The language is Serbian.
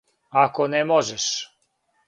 Ако не можеш?